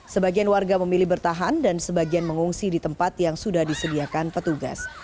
sebagian warga memilih bertahan dan sebagian mengungsi di tempat yang sudah disediakan petugas